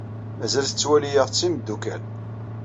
Mazal tettwali-aɣ d timeddukal.